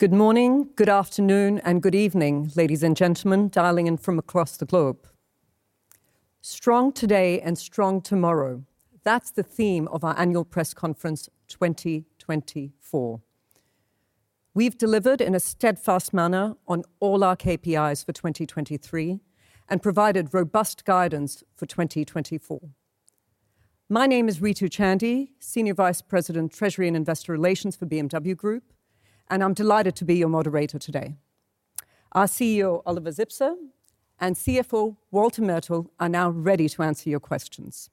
Good morning, good afternoon, and good evening, ladies and gentlemen dialing in from across the globe. "Strong today and strong tomorrow" - that's the theme of our annual press conference 2024. We've delivered in a steadfast manner on all our KPIs for 2023 and provided robust guidance for 2024. My name is Ritu Chandy, Senior Vice President Treasury and Investor Relations for BMW Group, and I'm delighted to be your moderator today. Our CEO Oliver Zipse and CFO Walter Mertl are now ready to answer your questions.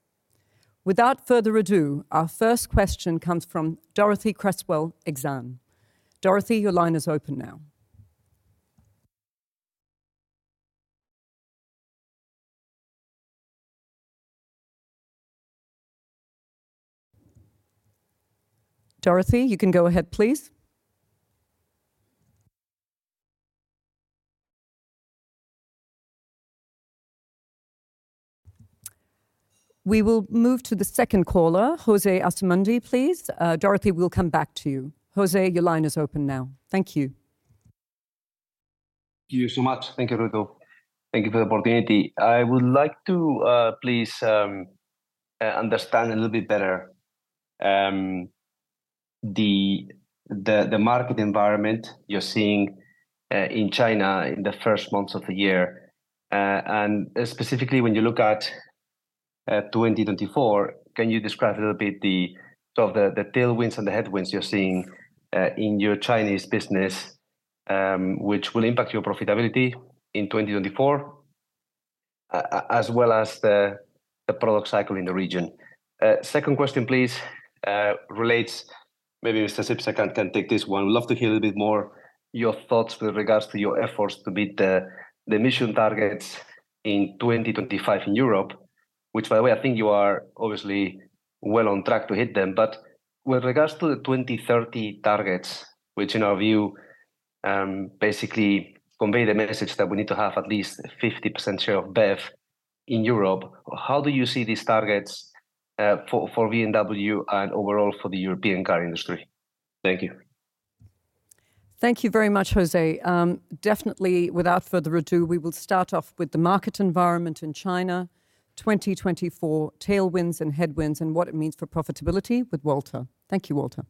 Without further ado, our first question comes from Dorothee Cresswell, Exane. Dorothee, your line is open now. Dorothee, you can go ahead, please. We will move to the second caller, José Asumendi, please. Dorothee, we'll come back to you. José, your line is open now. Thank you. Thank you so much. Thank you, Ritu. Thank you for the opportunity. I would like to, please, understand a little bit better the market environment you're seeing in China in the first months of the year. And specifically when you look at 2024, can you describe a little bit the sort of the tailwinds and the headwinds you're seeing in your Chinese business, which will impact your profitability in 2024, as well as the product cycle in the region? Second question, please, relates maybe Mr. Zipse can take this one. We'd love to hear a little bit more your thoughts with regards to your efforts to meet the emission targets in 2025 in Europe, which, by the way, I think you are obviously well on track to hit them. But with regards to the 2030 targets, which in our view basically convey the message that we need to have at least a 50% share of BEV in Europe, how do you see these targets for BMW and overall for the European car industry? Thank you. Thank you very much, Jose. Definitely, without further ado, we will start off with the market environment in China 2024, tailwinds and headwinds, and what it means for profitability with Walter. Thank you, Walter.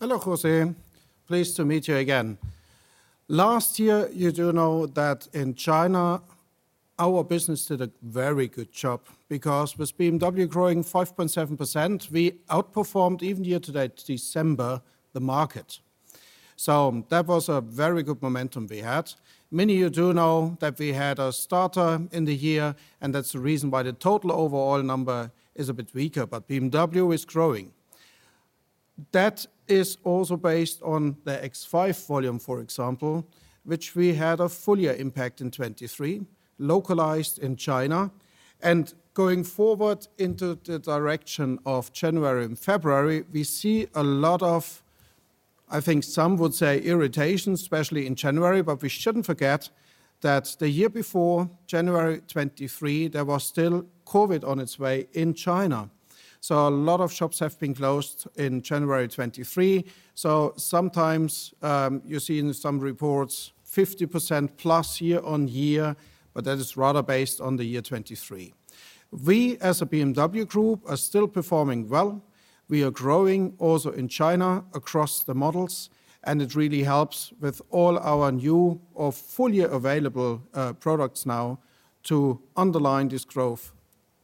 Hello, José. Pleased to meet you again. Last year, you do know that in China our business did a very good job because with BMW growing 5.7%, we outperformed even year to date, December, the market. So that was a very good momentum we had. Many of you do know that we had a stutter in the year, and that's the reason why the total overall number is a bit weaker, but BMW is growing. That is also based on the X5 volume, for example, which we had a fuller impact in 2023, localized in China. And going forward into the direction of January and February, we see a lot of, I think some would say, irritation, especially in January. But we shouldn't forget that the year before, January 2023, there was still COVID on its way in China. So a lot of shops have been closed in January 2023. So sometimes, you see in some reports 50% plus year-on-year, but that is rather based on the year 2023. We as a BMW Group are still performing well. We are growing also in China across the models, and it really helps with all our new or fully available products now to underline this growth.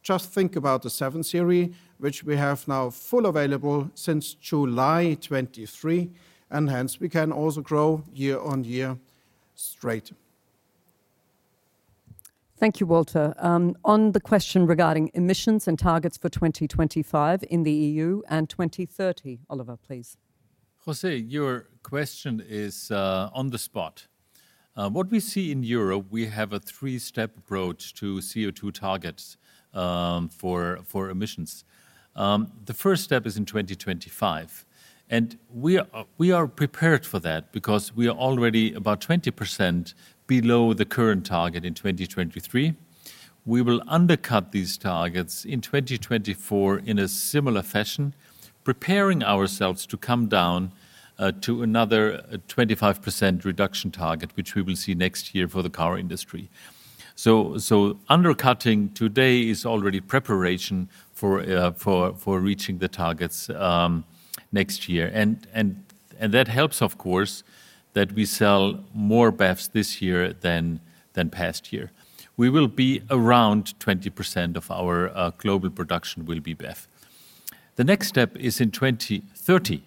Just think about the 7 Series, which we have now full available since July 2023, and hence we can also grow year-on-year straight. Thank you, Walter. On the question regarding emissions and targets for 2025 in the EU and 2030, Oliver, please. Jose, your question is on the spot. What we see in Europe, we have a three-step approach to CO2 targets for emissions. The first step is in 2025, and we are prepared for that because we are already about 20% below the current target in 2023. We will undercut these targets in 2024 in a similar fashion, preparing ourselves to come down to another 25% reduction target, which we will see next year for the car industry. So undercutting today is already preparation for reaching the targets next year. And that helps, of course, that we sell more BEVs this year than past year. We will be around 20% of our global production will be BEV. The next step is in 2030,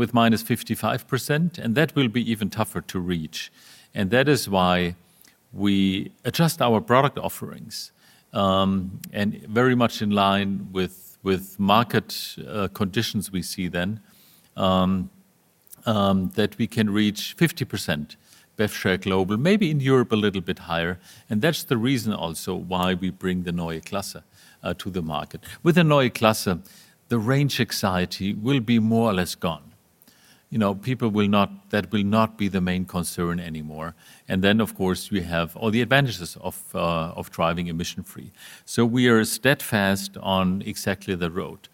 with -55%, and that will be even tougher to reach. That is why we adjust our product offerings, and very much in line with market conditions we see then, that we can reach 50% BEV share global, maybe in Europe a little bit higher. That's the reason also why we bring the Neue Klasse to the market. With the Neue Klasse, the range anxiety will be more or less gone. You know, people will not be the main concern anymore. And then, of course, you have all the advantages of driving emission-free. So we are steadfast on exactly the road.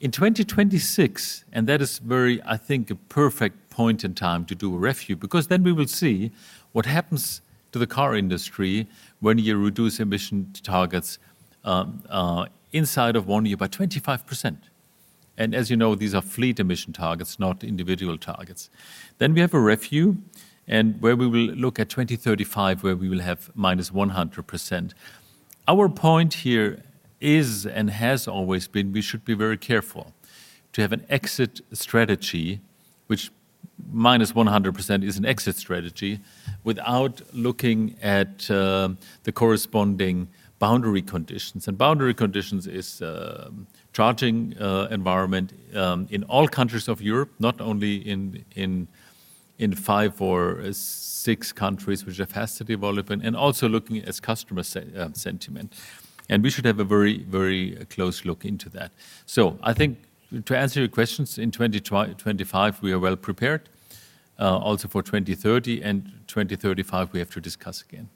In 2026, and that is very, I think, a perfect point in time to do a review because then we will see what happens to the car industry when you reduce emission targets inside of one year by 25%. And as you know, these are fleet emission targets, not individual targets. Then we have a review, and where we will look at 2035, where we will have -100%. Our point here is and has always been we should be very careful to have an exit strategy, which -100% is an exit strategy, without looking at the corresponding boundary conditions. And boundary conditions is charging environment in all countries of Europe, not only in five or six countries which have fastest development, and also looking at customer sentiment. And we should have a very, very close look into that. So I think to answer your questions, in 2025 we are well prepared, also for 2030, and 2035 we have to discuss again.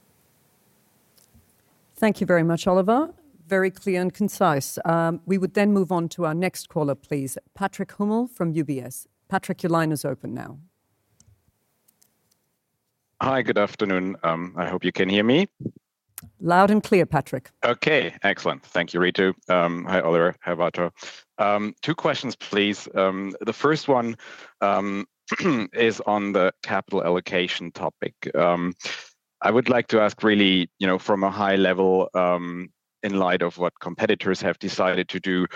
Thank you very much, Oliver. Very clear and concise. We would then move on to our next caller, please, Patrick Hummel from UBS. Patrick, your line is open now. Hi, good afternoon. I hope you can hear me. Loud and clear, Patrick. Okay, excellent. Thank you, Ritu. Hi, Oliver. Hi, Walter. Two questions, please. The first one is on the capital allocation topic. I would like to ask really, you know, from a high level, in light of what competitors have decided to do.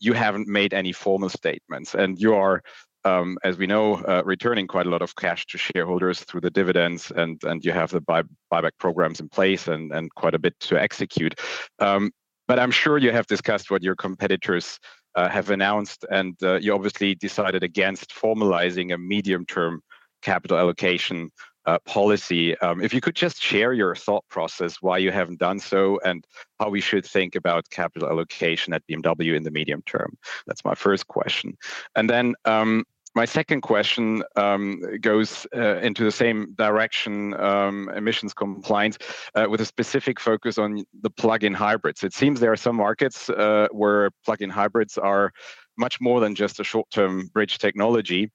You haven't made any formal statements, and you are, as we know, returning quite a lot of cash to shareholders through the dividends, and you have the buyback programs in place and quite a bit to execute. But I'm sure you have discussed what your competitors have announced, and you obviously decided against formalizing a medium-term capital allocation policy. If you could just share your thought process why you haven't done so and how we should think about capital allocation at BMW in the medium term. That's my first question. And then my second question goes into the same direction, emissions compliance, with a specific focus on the plug-in hybrids. It seems there are some markets where plug-in hybrids are much more than just a short-term bridge technology,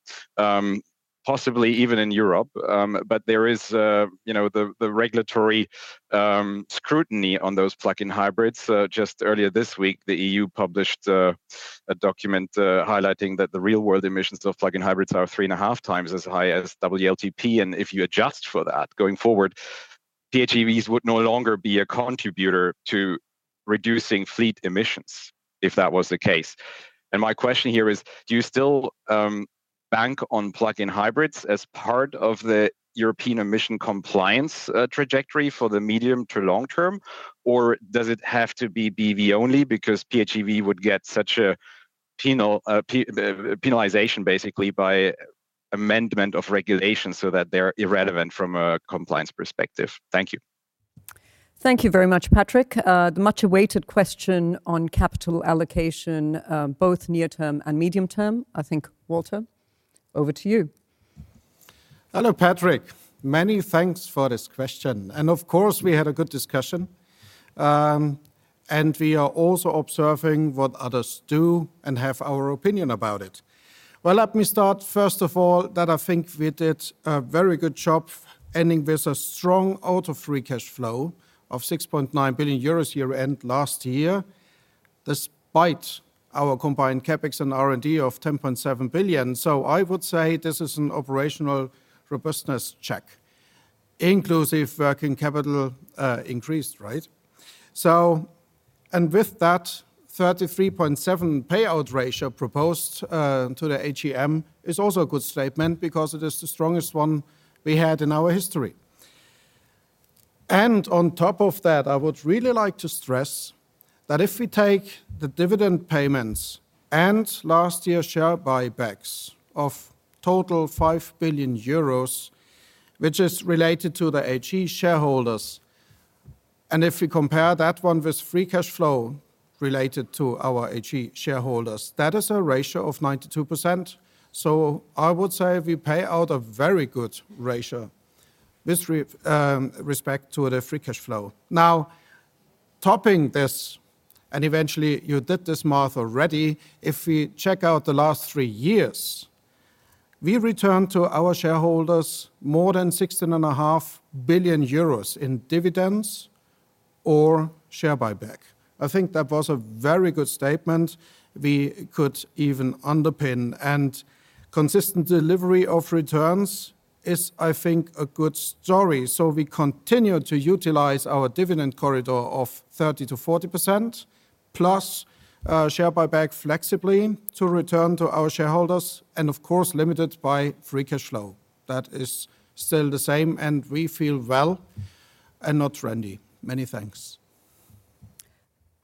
possibly even in Europe. But there is, you know, the regulatory scrutiny on those plug-in hybrids. Just earlier this week, the EU published a document highlighting that the real-world emissions of plug-in hybrids are three and a half times as high as WLTP, and if you adjust for that going forward, PHEVs would no longer be a contributor to reducing fleet emissions if that was the case. And my question here is, do you still bank on plug-in hybrids as part of the European emission compliance trajectory for the medium to long term, or does it have to be BEV only because PHEV would get such a penalization basically by amendment of regulations so that they're irrelevant from a compliance perspective? Thank you. Thank you very much, Patrick. The much-awaited question on capital allocation, both near-term and medium term, I think, Walter, over to you. Hello, Patrick. Many thanks for this question. Of course, we had a good discussion and we are also observing what others do and have our opinion about it. Well, let me start. First of all, that I think we did a very good job ending with a strong out-of-free cash flow of 6.9 billion euros year-end last year, despite our combined CapEx and R&D of 10.7 billion. So I would say this is an operational robustness check, inclusive working capital, increased, right? And with that, 33.7% payout ratio proposed to the AGM is also a good statement because it is the strongest one we had in our history. And on top of that, I would really like to stress that if we take the dividend payments and last year's share buybacks of total 5 billion euros, which is related to the AG shareholders, and if we compare that one with free cash flow related to our AG shareholders, that is a ratio of 92%. So I would say we pay out a very good ratio with respect to the free cash flow. Now, topping this, and eventually you did this, Math, already, if we check out the last three years, we returned to our shareholders more than 16.5 billion euros in dividends or share buyback. I think that was a very good statement we could even underpin. And consistent delivery of returns is, I think, a good story. We continue to utilize our dividend corridor of 30%-40% plus, share buyback flexibly to return to our shareholders, and of course, limited by free cash flow. That is still the same, and we feel well and not trendy. Many thanks.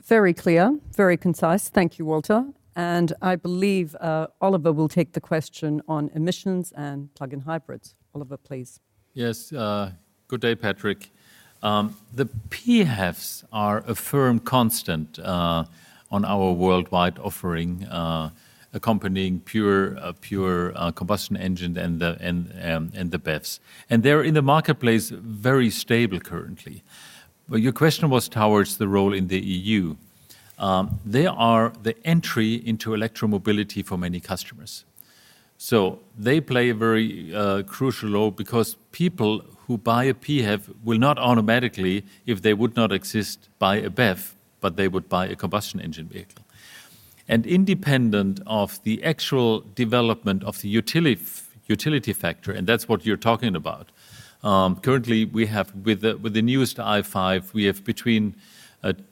Very clear, very concise. Thank you, Walter. I believe, Oliver will take the question on emissions and plug-in hybrids. Oliver, please. Yes. Good day, Patrick. The PHEVs are a firm constant on our worldwide offering, accompanying pure combustion engine and the BEVs. They're in the marketplace very stable currently. But your question was towards the role in the EU. They are the entry into electromobility for many customers. So they play a very crucial role because people who buy a PHEV will not automatically, if they would not exist, buy a BEV, but they would buy a combustion engine vehicle. Independent of the actual development of the utility factor, and that's what you're talking about, currently we have with the newest i5, we have between,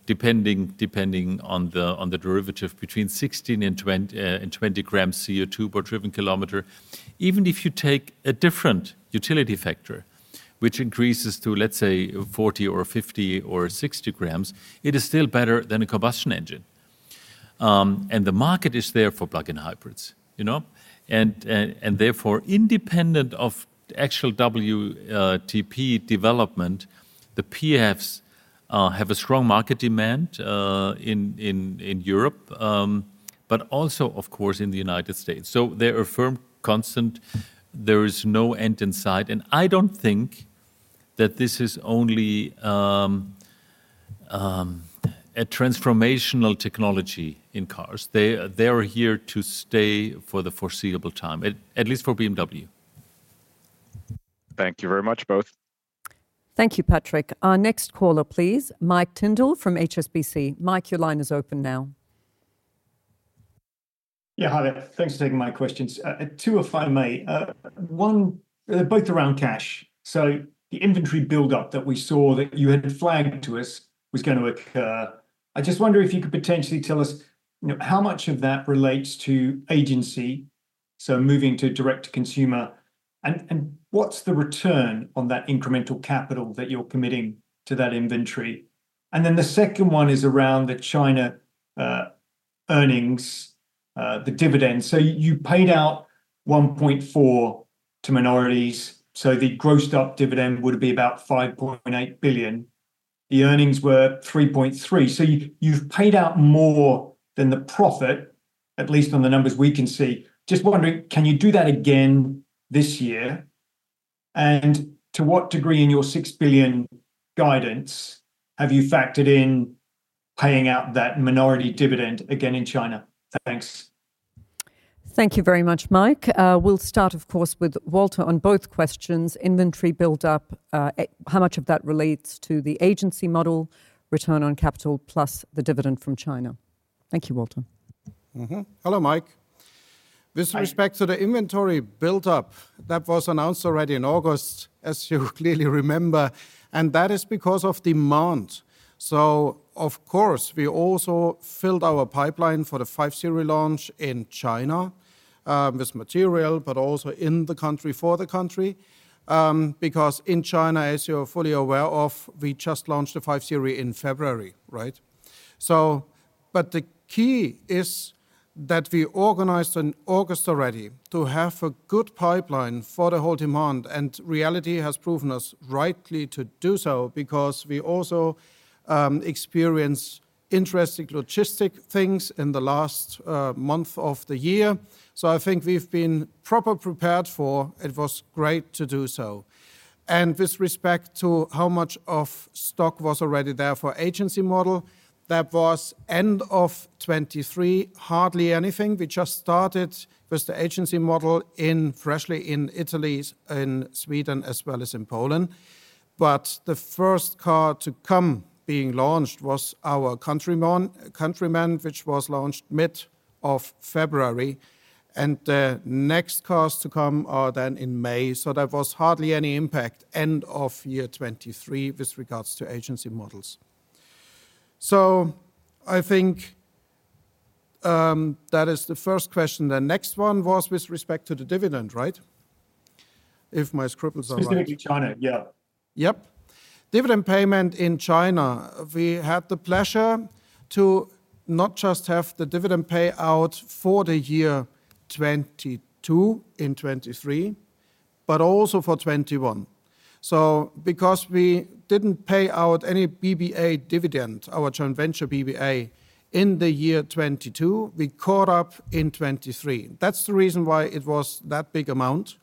depending on the derivative, 16 and 20 grams CO2 per driven kilometer. Even if you take a different utility factor, which increases to, let's say, 40 or 50 or 60 grams, it is still better than a combustion engine. And the market is there for plug-in hybrids, you know? And therefore, independent of actual WLTP development, the PHEVs have a strong market demand in Europe, but also, of course, in the United States. So they're a firm constant. There is no end in sight. And I don't think that this is only a transformational technology in cars. They are here to stay for the foreseeable time, at least for BMW. Thank you very much, both. Thank you, Patrick. Our next caller, please, Mike Tyndall from HSBC. Mike, your line is open now. Yeah, hi. Thanks for taking my questions. two, if I may. one, both around cash. So the inventory buildup that we saw that you had flagged to us was going to occur. I just wonder if you could potentially tell us, you know, how much of that relates to agency, so moving to direct-to-consumer, and, and what's the return on that incremental capital that you're committing to that inventory? And then the second one is around the China, earnings, the dividends. So you paid out 1.4 billion to minorities, so the grossed-up dividend would have been about 5.8 billion. The earnings were 3.3 billion. So you've paid out more than the profit, at least on the numbers we can see. Just wondering, can you do that again this year? And to what degree in your 6 billion guidance have you factored in paying out that minority dividend again in China? Thanks. Thank you very much, Mike. We'll start, of course, with Walter on both questions. Inventory buildup, how much of that relates to the agency model, return on capital plus the dividend from China? Thank you, Walter. Mm-hmm. Hello, Mike. With respect to the inventory buildup, that was announced already in August, as you clearly remember, and that is because of demand. So, of course, we also filled our pipeline for the 5 Series launch in China, with material, but also in the country for the country, because in China, as you're fully aware of, we just launched the 5 Series in February, right? So but the key is that we organized in August already to have a good pipeline for the whole demand. And reality has proven us rightly to do so because we also experienced interesting logistic things in the last month of the year. So I think we've been properly prepared for it was great to do so. And with respect to how much of stock was already there for agency model, that was end of 2023, hardly anything. We just started with the agency model firstly in Italy, in Sweden, as well as in Poland. The first car to come being launched was our Countryman, which was launched mid-February. The next cars to come are then in May. There was hardly any impact end of 2023 with regards to agency models. I think that is the first question. The next one was with respect to the dividend, right? If my scribbles are right. Specifically China, yeah. Yep. Dividend payment in China, we had the pleasure to not just have the dividend payout for the year 2022 in 2023, but also for 2021. So because we didn't pay out any BBA dividend, our joint venture BBA, in the year 2022, we caught up in 2023. That's the reason why it was that big amount.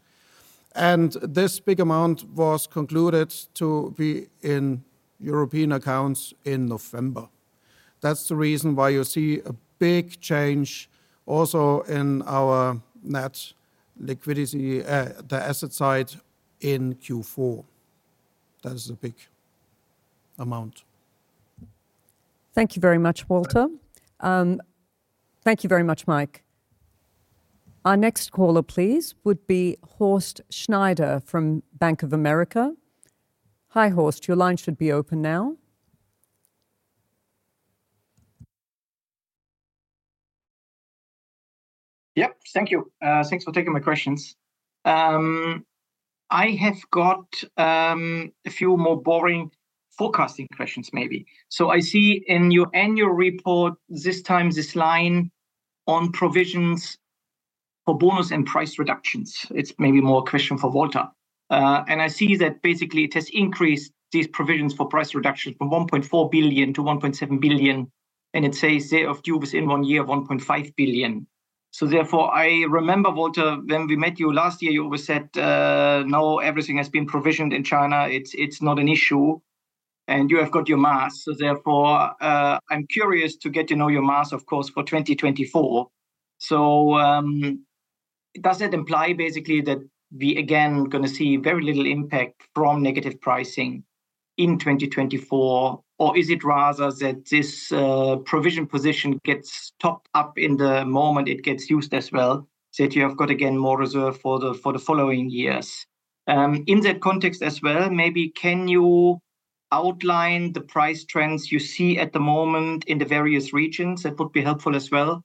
And this big amount was concluded to be in European accounts in November. That's the reason why you see a big change also in our net liquidity, the asset side in Q4. That is a big amount. Thank you very much, Walter. Thank you very much, Mike. Our next caller, please, would be Horst Schneider from Bank of America. Hi, Horst. Your line should be open now. Yep, thank you. Thanks for taking my questions. I have got a few more boring forecasting questions, maybe. So I see in your annual report this time, this line on provisions for bonus and price reductions. It's maybe more a question for Walter. And I see that basically it has increased these provisions for price reductions from 1.4 billion to 1.7 billion, and it says they are due within one year 1.5 billion. So therefore, I remember, Walter, when we met you last year, you always said, now everything has been provisioned in China. It's not an issue. And you have got your measures. So therefore, I'm curious to get to know your measures, of course, for 2024. So, does that imply basically that we again are going to see very little impact from negative pricing in 2024, or is it rather that this provision position gets topped up in the moment it gets used as well, that you have got again more reserve for the following years? In that context as well, maybe can you outline the price trends you see at the moment in the various regions? That would be helpful as well.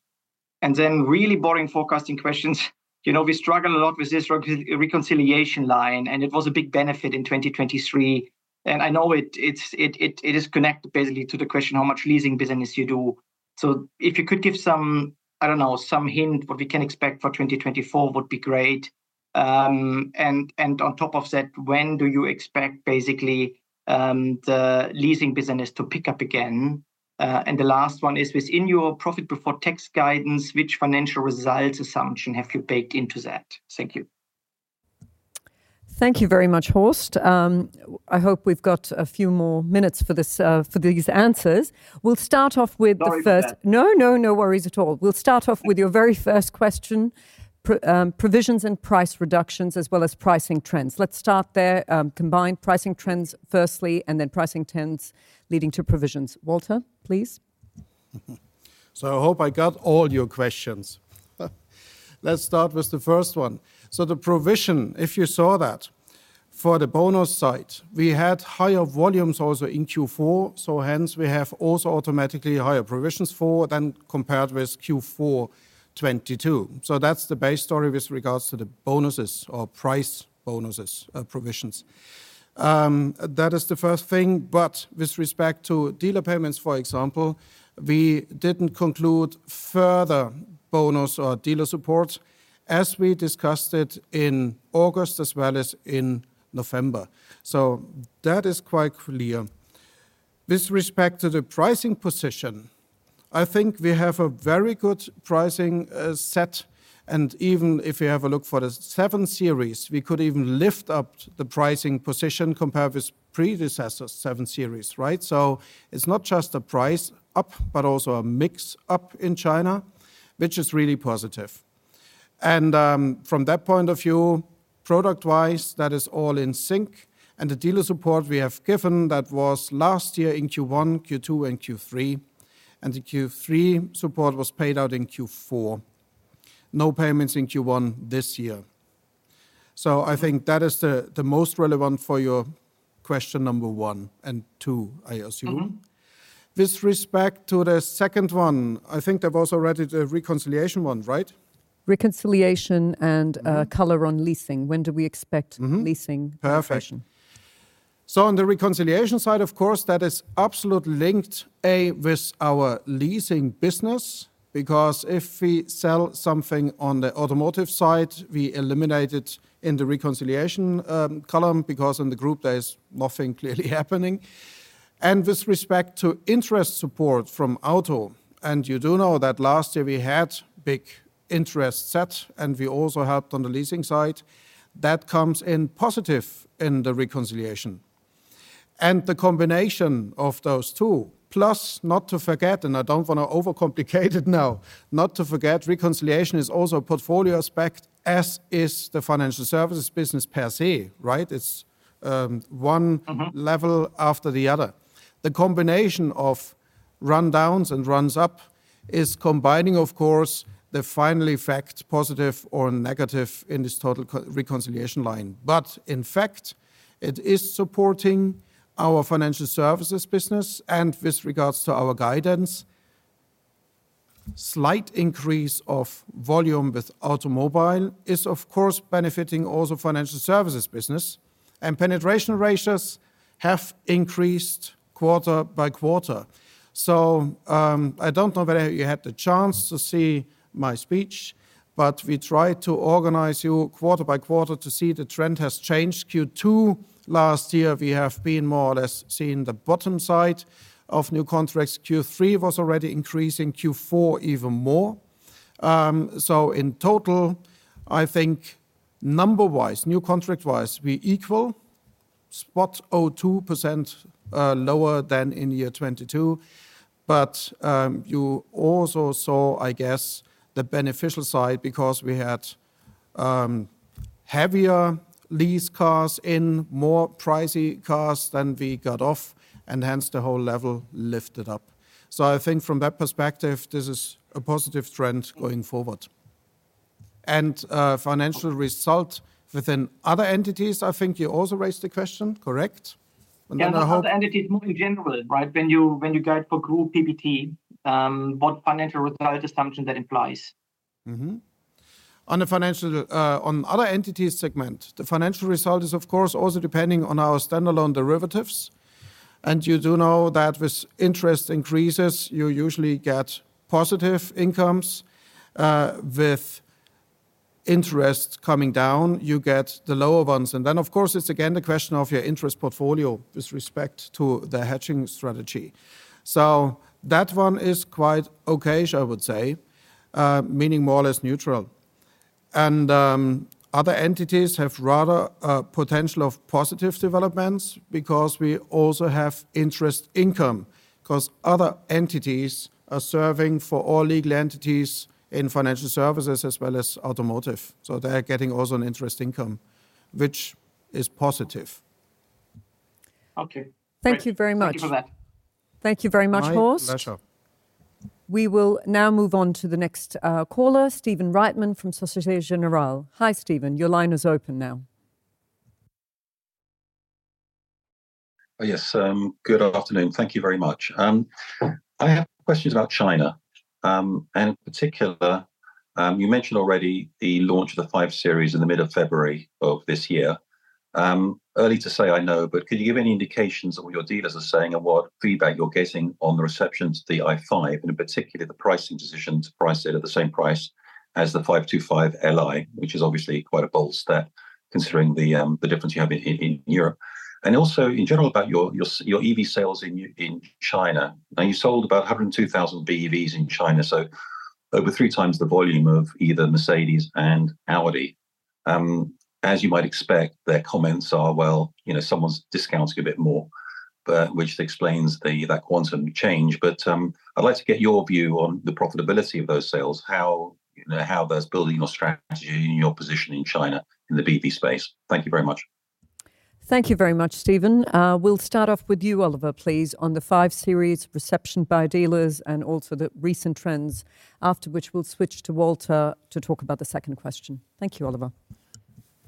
And then really boring forecasting questions. You know, we struggle a lot with this reconciliation line, and it was a big benefit in 2023. And I know it's connected basically to the question how much leasing business you do. So if you could give some, I don't know, some hint what we can expect for 2024 would be great. And on top of that, when do you expect basically the leasing business to pick up again? And the last one is, within your profit before tax guidance, which financial results assumption have you baked into that? Thank you. Thank you very much, Horst. I hope we've got a few more minutes for this, for these answers. We'll start off with the first. No worries. No, no, no worries at all. We'll start off with your very first question, provisions and price reductions as well as pricing trends. Let's start there, combined pricing trends firstly, and then pricing trends leading to provisions. Walter, please. So I hope I got all your questions. Let's start with the first one. So the provision, if you saw that, for the bonus side, we had higher volumes also in Q4. So hence, we have also automatically higher provisions for then compared with Q4 2022. So that's the base story with regards to the bonuses or price bonuses, provisions. That is the first thing. But with respect to dealer payments, for example, we didn't conclude further bonus or dealer support as we discussed it in August as well as in November. So that is quite clear. With respect to the pricing position, I think we have a very good pricing set. And even if you have a look for the 7 Series, we could even lift up the pricing position compared with predecessors, 7 Series, right? So it's not just a price up, but also a mix up in China, which is really positive. And, from that point of view, product-wise, that is all in sync. And the dealer support we have given, that was last year in Q1, Q2, and Q3. And the Q3 support was paid out in Q4. No payments in Q1 this year. So I think that is the most relevant for your question number one and two, I assume. With respect to the second one, I think there was already the reconciliation one, right? Reconciliation and color on leasing. When do we expect leasing question? Perfect. So on the reconciliation side, of course, that is absolutely linked, A, with our leasing business because if we sell something on the automotive side, we eliminate it in the reconciliation column because in the group, there is nothing clearly happening. And with respect to interest support from auto, and you do know that last year we had a big interest set and we also helped on the leasing side, that comes in positive in the reconciliation. And the combination of those two, plus not to forget, and I don't want to overcomplicate it now, not to forget, reconciliation is also a portfolio aspect as is the financial services business per se, right? It's one level after the other. The combination of rundowns and runs up is combining, of course, the finally fact positive or negative in this total reconciliation line. But in fact, it is supporting our financial services business. And with regards to our guidance, slight increase of volume with automobile is, of course, benefiting also financial services business. And penetration ratios have increased quarter by quarter. So, I don't know whether you had the chance to see my speech, but we tried to organize you quarter by quarter to see the trend has changed. Q2 last year, we have been more or less seeing the bottom side of new contracts. Q3 was already increasing. Q4 even more. So in total, I think number-wise, new contract-wise, we equal, spot 0.2% lower than in year 2022. But, you also saw, I guess, the beneficial side because we had, heavier lease cars in, more pricey cars than we got off, and hence the whole level lifted up. So I think from that perspective, this is a positive trend going forward. Financial result within other entities, I think you also raised the question, correct? And then I hope. Yeah, but other entities more in general, right? When you guide for Group PBT, what financial result assumption that implies? Mm-hmm. On the financial, on other entities segment, the financial result is, of course, also depending on our standalone derivatives. And you do know that with interest increases, you usually get positive incomes. With interest coming down, you get the lower ones. And then, of course, it's again the question of your interest portfolio with respect to the hedging strategy. So that one is quite okay, I would say, meaning more or less neutral. And other entities have rather potential of positive developments because we also have interest income because other entities are serving for all legal entities in financial services as well as automotive. So they are getting also an interest income, which is positive. Okay. Thank you very much. Thank you for that. Thank you very much, Horst. My pleasure. We will now move on to the next caller, Stephen Reitman from Société Générale. Hi, Stephen. Your line is open now. Oh, yes. Good afternoon. Thank you very much. I have questions about China. In particular, you mentioned already the launch of the 5 Series in the mid of February of this year. Early to say, I know, but could you give any indications of what your dealers are saying and what feedback you're getting on the reception to the i5 and in particular the pricing decision to price it at the same price as the 525 Li, which is obviously quite a bold step considering the, the difference you have in, in, in Europe. Also in general about your, your, your EV sales in, in China. Now, you sold about 102,000 BEVs in China, so over three times the volume of either Mercedes and Audi. As you might expect, their comments are, well, you know, someone's discounting a bit more, but which explains the, that quantum change. I'd like to get your view on the profitability of those sales, how, you know, how that's building your strategy and your position in China in the BEV space. Thank you very much. Thank you very much, Stephen. We'll start off with you, Oliver, please, on the 5 Series reception by dealers and also the recent trends, after which we'll switch to Walter to talk about the second question. Thank you, Oliver.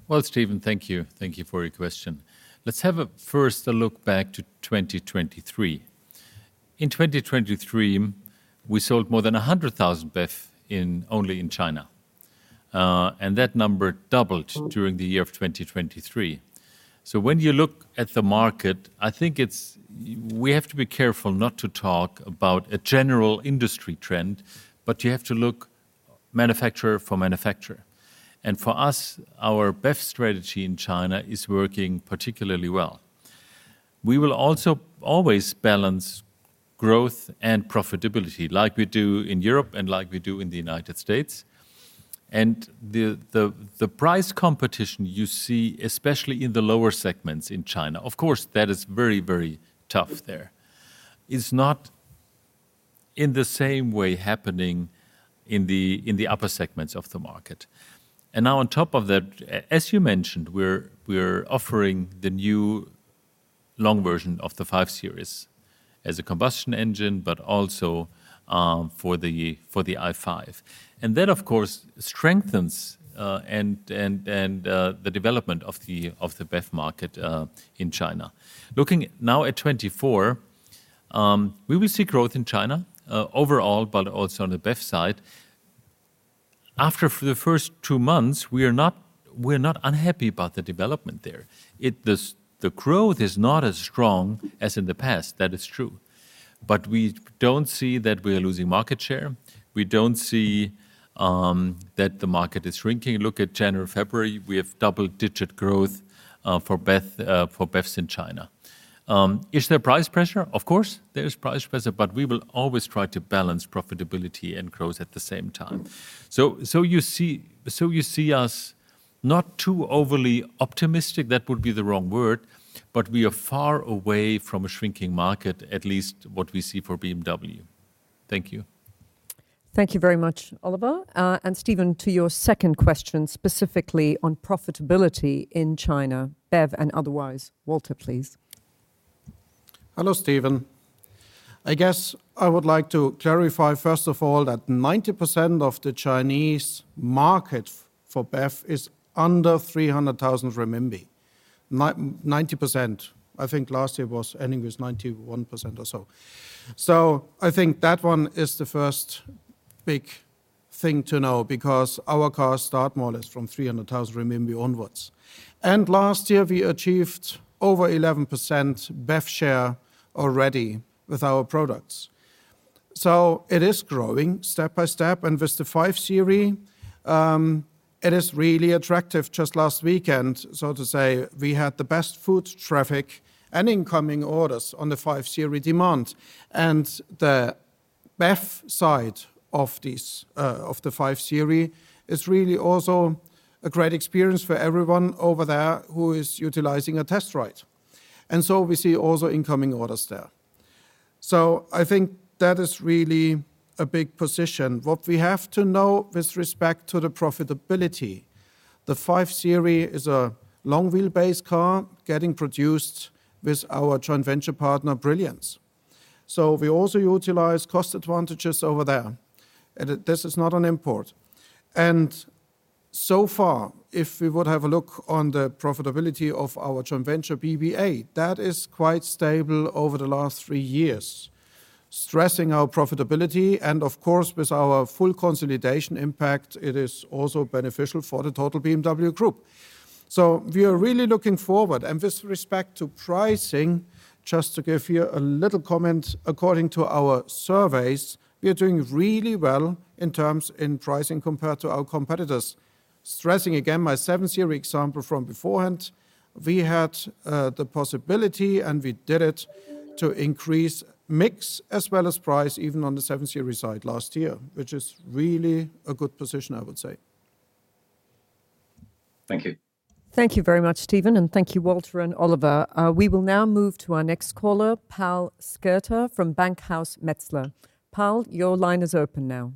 Well, Stephen, thank you. Thank you for your question. Let's have a first look back to 2023. In 2023, we sold more than 100,000 BEVs only in China. And that number doubled during the year of 2023. So when you look at the market, I think we have to be careful not to talk about a general industry trend, but you have to look manufacturer for manufacturer. And for us, our BEV strategy in China is working particularly well. We will also always balance growth and profitability like we do in Europe and like we do in the United States. And the price competition you see, especially in the lower segments in China, of course, that is very, very tough there, is not in the same way happening in the upper segments of the market. And now on top of that, as you mentioned, we're offering the new long version of the 5 Series as a combustion engine, but also for the i5. And that, of course, strengthens the development of the BEV market in China. Looking now at 2024, we will see growth in China overall, but also on the BEV side. After the first two months, we are not unhappy about the development there. The growth is not as strong as in the past. That is true. But we don't see that we are losing market share. We don't see that the market is shrinking. Look at January, February, we have double-digit growth for BEVs in China. Is there price pressure? Of course, there is price pressure, but we will always try to balance profitability and growth at the same time. So, you see us not too overly optimistic. That would be the wrong word. But we are far away from a shrinking market, at least what we see for BMW. Thank you. Thank you very much, Oliver. And Stephen, to your second question specifically on profitability in China, BEV and otherwise. Walter, please. Hello, Stephen. I guess I would like to clarify, first of all, that 90% of the Chinese market for BEV is under 300,000 renminbi. 90%. I think last year it was ending with 91% or so. So I think that one is the first big thing to know because our cars start more or less from 300,000 RMB onwards. And last year, we achieved over 11% BEV share already with our products. So it is growing step by step. And with the 5 Series, it is really attractive. Just last weekend, so to say, we had the best foot traffic and incoming orders on the 5 Series demand. And the BEV side of these of the 5 Series is really also a great experience for everyone over there who is utilizing a test ride. And so we see also incoming orders there. So I think that is really a big position. What we have to know with respect to the profitability, the 5 Series is a long-wheelbase car getting produced with our joint venture partner, Brilliance. So we also utilize cost advantages over there. And this is not an import. And so far, if we would have a look on the profitability of our joint venture, BBA, that is quite stable over the last three years, stressing our profitability. And of course, with our full consolidation impact, it is also beneficial for the total BMW Group. So we are really looking forward. And with respect to pricing, just to give you a little comment, according to our surveys, we are doing really well in terms of pricing compared to our competitors. Stressing again my 7 Series example from beforehand, we had the possibility, and we did it, to increase mix as well as price even on the 7 Series side last year, which is really a good position, I would say. Thank you. Thank you very much, Stephen. And thank you, Walter and Oliver. We will now move to our next caller, Pal Skirta from Bankhaus Metzler. Pal, your line is open now.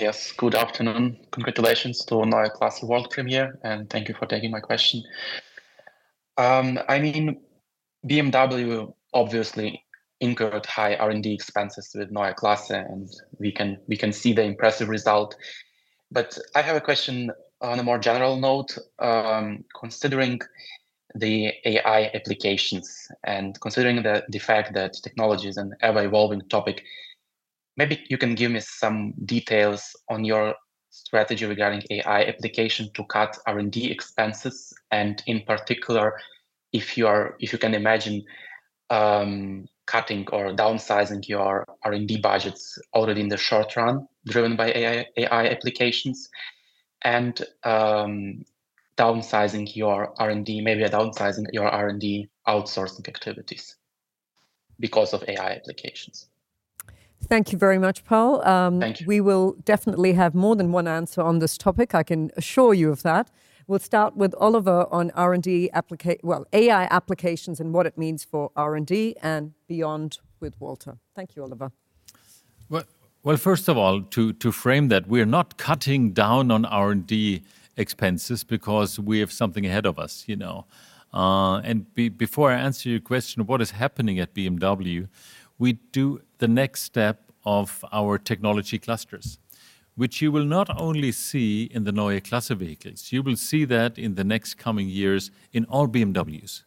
Yes. Good afternoon. Congratulations to Neue Klasse World Premiere. And thank you for taking my question. I mean, BMW obviously incurred high R&D expenses with Neue Klasse, and we can see the impressive result. But I have a question on a more general note, considering the AI applications and considering the fact that technology is an ever-evolving topic. Maybe you can give me some details on your strategy regarding AI application to cut R&D expenses and in particular, if you can imagine, cutting or downsizing your R&D budgets already in the short run driven by AI applications and, downsizing your R&D, maybe downsizing your R&D outsourcing activities because of AI applications. Thank you very much, Pal. Thank you. We will definitely have more than one answer on this topic. I can assure you of that. We'll start with Oliver on R&D application, well, AI applications and what it means for R&D and beyond with Walter. Thank you, Oliver. Well, well, first of all, to frame that, we are not cutting down on R&D expenses because we have something ahead of us, you know. And before I answer your question, what is happening at BMW, we do the next step of our technology clusters, which you will not only see in the Neue Klasse vehicles. You will see that in the next coming years in all BMWs: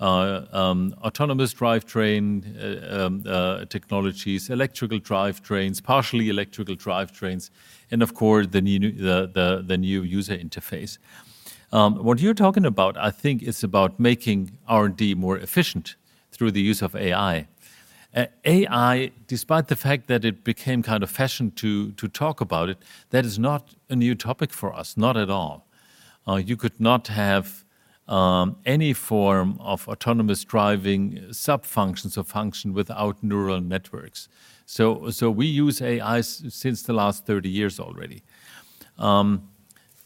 autonomous drivetrain technologies, electrical drivetrains, partially electrical drivetrains, and of course, the new user interface. What you're talking about, I think, is about making R&D more efficient through the use of AI. AI, despite the fact that it became kind of fashion to talk about it, that is not a new topic for us, not at all. You could not have any form of autonomous driving subfunctions or function without neural networks. So, we use AI since the last 30 years already.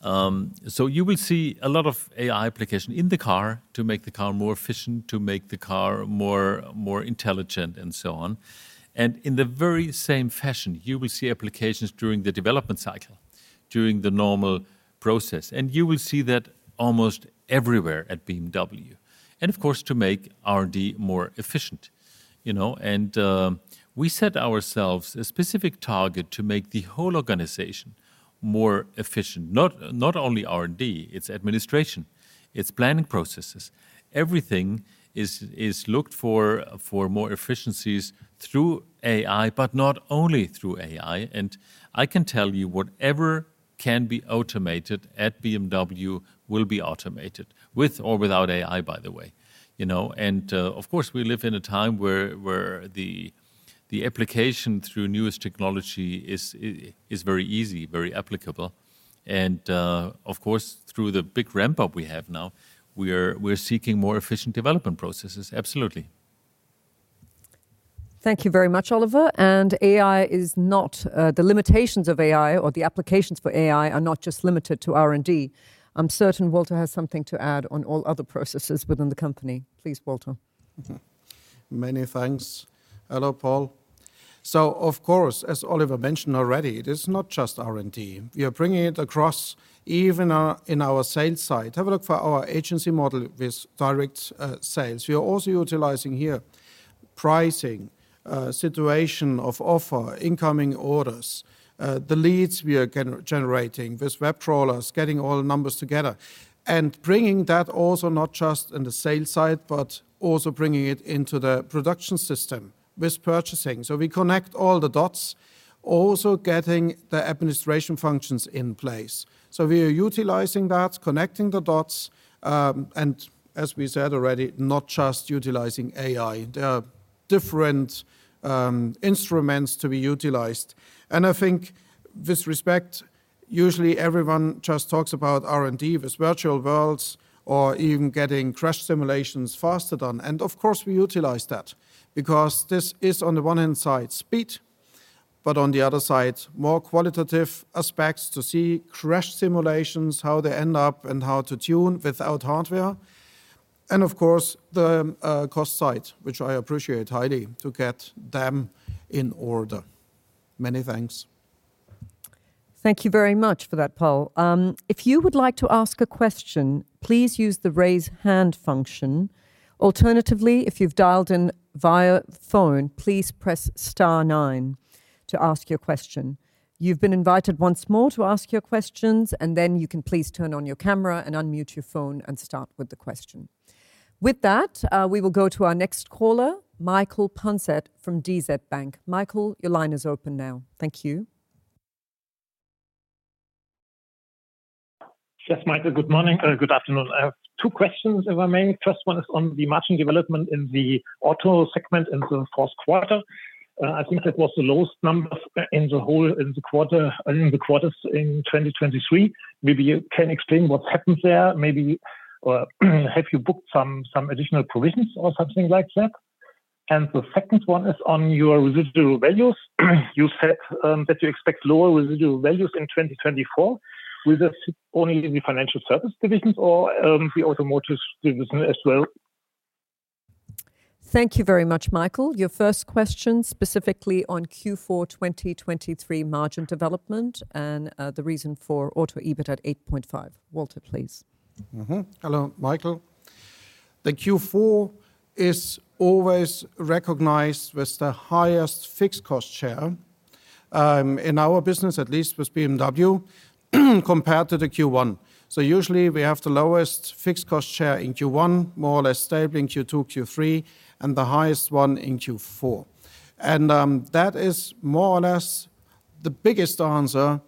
So you will see a lot of AI application in the car to make the car more efficient, to make the car more, more intelligent, and so on. And in the very same fashion, you will see applications during the development cycle, during the normal process. And you will see that almost everywhere at BMW. And of course, to make R&D more efficient, you know. And we set ourselves a specific target to make the whole organization more efficient, not, not only R&D, its administration, its planning processes. Everything is looked for more efficiencies through AI, but not only through AI. And I can tell you, whatever can be automated at BMW will be automated, with or without AI, by the way, you know. And, of course, we live in a time where the application through newest technology is very easy, very applicable. And, of course, through the big ramp-up we have now, we are seeking more efficient development processes, absolutely. Thank you very much, Oliver. The limitations of AI or the applications for AI are not just limited to R&D. I'm certain Walter has something to add on all other processes within the company. Please, Walter. Many thanks. Hello, Pal. So of course, as Oliver mentioned already, it is not just R&D. We are bringing it across even in our sales side. Have a look for our agency model with direct sales. We are also utilizing here pricing situation of offer, incoming orders, the leads we are generating with web crawlers, getting all numbers together, and bringing that also not just in the sales side, but also bringing it into the production system with purchasing. So we connect all the dots, also getting the administration functions in place. So we are utilizing that, connecting the dots, and as we said already, not just utilizing AI. There are different instruments to be utilized. And I think with respect, usually everyone just talks about R&D with virtual worlds or even getting crash simulations faster done. And of course, we utilize that because this is on the one hand side, speed, but on the other side, more qualitative aspects to see crash simulations, how they end up, and how to tune without hardware. And of course, the cost side, which I appreciate highly, to get them in order. Many thanks. Thank you very much for that, Pal. If you would like to ask a question, please use the raise hand function. Alternatively, if you've dialed in via phone, please press star nine to ask your question. You've been invited once more to ask your questions, and then you can please turn on your camera and unmute your phone and start with the question. With that, we will go to our next caller, Michael Punzet from DZ Bank. Michael, your line is open now. Thank you. Yes, Michael. Good morning, good afternoon. I have two questions, if I may. First one is on the margin development in the auto segment in the fourth quarter. I think that was the lowest number in the whole quarter in 2023. Maybe you can explain what's happened there. Or have you booked some additional provisions or something like that? And the second one is on your residual values. You said that you expect lower residual values in 2024 with only the financial services division or the automotive division as well. Thank you very much, Michael. Your first question specifically on Q4 2023 margin development and the reason for auto EBIT at 8.5%. Walter, please. Mm-hmm. Hello, Michael. The Q4 is always recognized with the highest fixed cost share, in our business, at least with BMW, compared to the Q1. So usually, we have the lowest fixed cost share in Q1, more or less stable in Q2, Q3, and the highest one in Q4. And that is more or less the biggest answer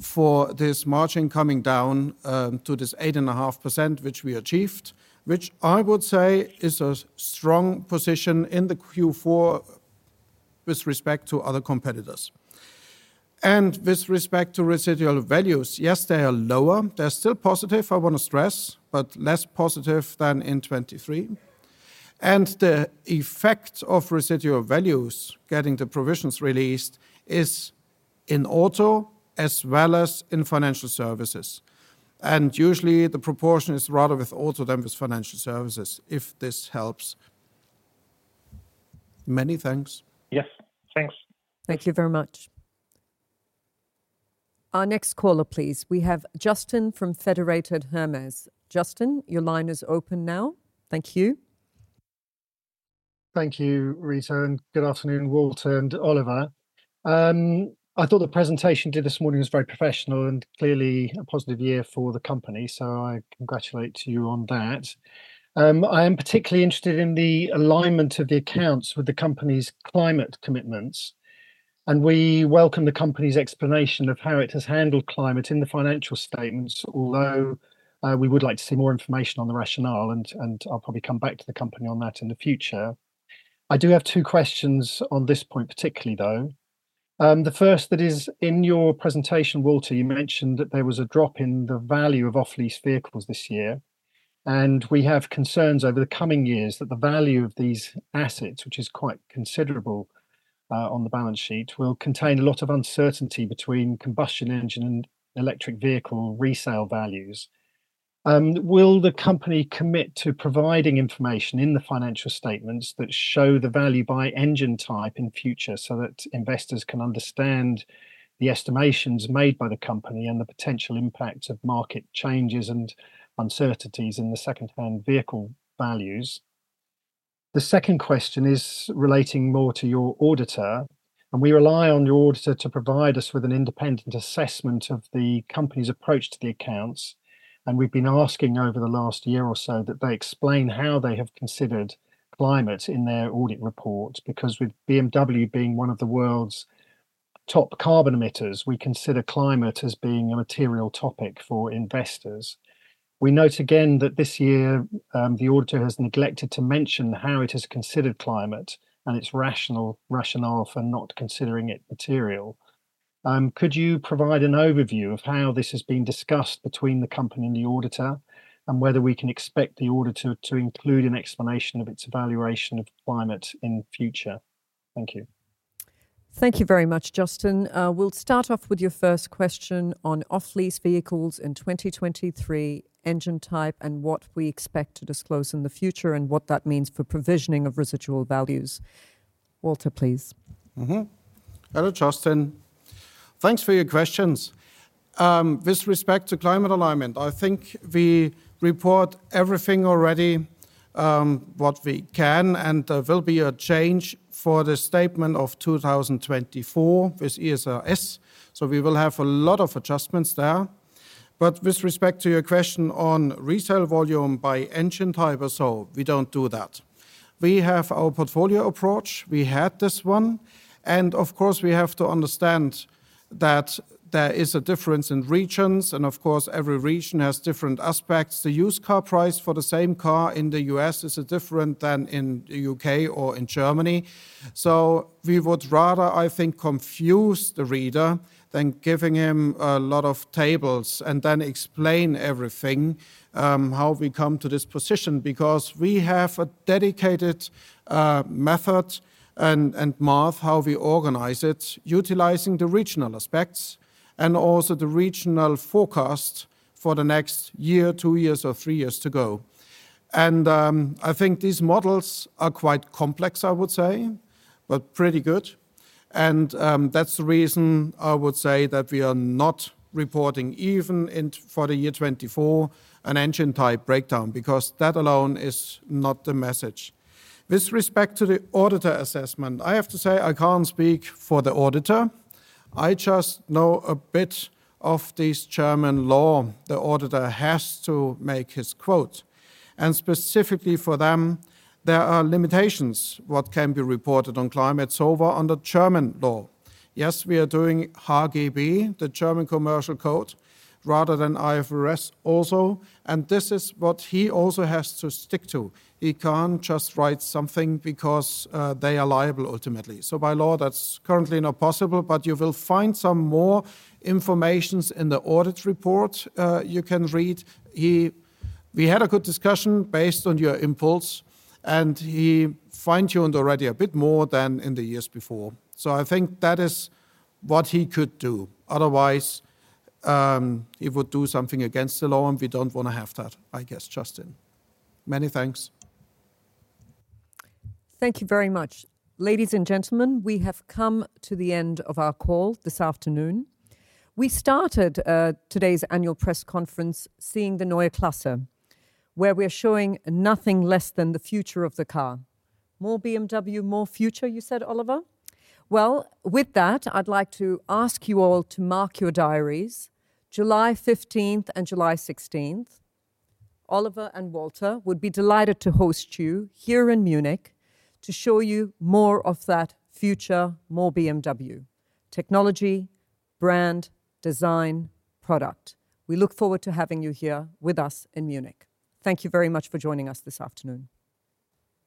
for this margin coming down to this 8.5%, which we achieved, which I would say is a strong position in the Q4 with respect to other competitors. And with respect to residual values, yes, they are lower. They're still positive, I want to stress, but less positive than in 2023. And the effect of residual values getting the provisions released is in auto as well as in financial services. And usually, the proportion is rather with auto than with financial services, if this helps. Many thanks. Yes. Thanks. Thank you very much. Our next caller, please. We have Justin from Federated Hermes. Justin, your line is open now. Thank you. Thank you, Ritu. Good afternoon, Walter and Oliver. I thought the presentation did this morning was very professional and clearly a positive year for the company, so I congratulate you on that. I am particularly interested in the alignment of the accounts with the company's climate commitments. We welcome the company's explanation of how it has handled climate in the financial statements, although we would like to see more information on the rationale, and I'll probably come back to the company on that in the future. I do have two questions on this point particularly, though. The first, that is, in your presentation, Walter, you mentioned that there was a drop in the value of off-lease vehicles this year. We have concerns over the coming years that the value of these assets, which is quite considerable, on the balance sheet, will contain a lot of uncertainty between combustion engine and electric vehicle resale values. Will the company commit to providing information in the financial statements that show the value by engine type in future so that investors can understand the estimations made by the company and the potential impact of market changes and uncertainties in the secondhand vehicle values? The second question is relating more to your auditor. We rely on your auditor to provide us with an independent assessment of the company's approach to the accounts. We've been asking over the last year or so that they explain how they have considered climate in their audit report because with BMW being one of the world's top carbon emitters, we consider climate as being a material topic for investors. We note again that this year, the auditor has neglected to mention how it has considered climate and its rationale, rationale for not considering it material. Could you provide an overview of how this has been discussed between the company and the auditor and whether we can expect the auditor to include an explanation of its evaluation of climate in future? Thank you. Thank you very much, Justin. We'll start off with your first question on off-lease vehicles in 2023, engine type, and what we expect to disclose in the future and what that means for provisioning of residual values. Walter, please. Mm-hmm. Hello, Justin. Thanks for your questions. With respect to climate alignment, I think we report everything already, what we can. There will be a change for the statement of 2024 with ESRS. So we will have a lot of adjustments there. But with respect to your question on resale volume by engine type or so, we don't do that. We have our portfolio approach. We had this one. Of course, we have to understand that there is a difference in regions. Of course, every region has different aspects. The used car price for the same car in the U.S. is different than in the U.K. or in Germany. So we would rather, I think, confuse the reader than giving him a lot of tables and then explain everything, how we come to this position because we have a dedicated method and math how we organize it utilizing the regional aspects and also the regional forecast for the next year, two years, or three years to go. And, I think these models are quite complex, I would say, but pretty good. And, that's the reason I would say that we are not reporting even in for the year 2024 an engine type breakdown because that alone is not the message. With respect to the auditor assessment, I have to say, I can't speak for the auditor. I just know a bit of this German law. The auditor has to make his quote. Specifically for them, there are limitations, what can be reported on climate so far under German law. Yes, we are doing HGB, the German Commercial Code, rather than IFRS also. This is what he also has to stick to. He can't just write something because they are liable ultimately. So by law, that's currently not possible. But you will find some more information in the audit report, you can read. We had a good discussion based on your impulse. And he finds you in already a bit more than in the years before. So I think that is what he could do. Otherwise, he would do something against the law. We don't want to have that, I guess, Justin. Many thanks. Thank you very much. Ladies and gentlemen, we have come to the end of our call this afternoon. We started today's annual press conference seeing the Neue Klasse, where we are showing nothing less than the future of the car. More BMW, more future, you said, Oliver. Well, with that, I'd like to ask you all to mark your diaries, July 15th and July 16th. Oliver and Walter would be delighted to host you here in Munich to show you more of that future more BMW, technology, brand, design, product. We look forward to having you here with us in Munich. Thank you very much for joining us this afternoon.